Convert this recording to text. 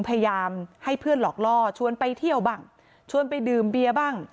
พยายามให้เพื่อนหลอกล่อชวนไปเที่ยวบ้างชวนไปดื่มเบียร์บ้าง